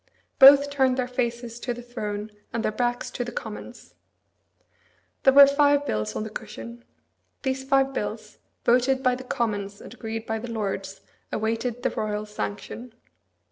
Both turned their faces to the throne, and their backs to the Commons. There were five bills on the cushion. These five bills, voted by the Commons and agreed to by the Lords, awaited the royal sanction.